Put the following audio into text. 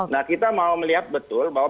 nah kita mau melihat betul bahwa